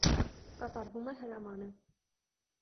Կատարվում է հրամանը։